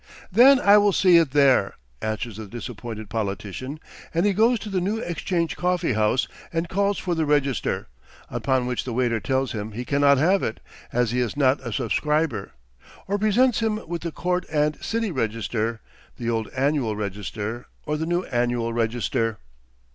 'Then I will see it there,' answers the disappointed politician, and he goes to the New Exchange Coffee House, and calls for the 'Register'; upon which the waiter tells him he cannot have it, as he is not a subscriber; or presents him with the 'Court and City Register,' the 'Old Annual Register,' or the 'New Annual Register.'"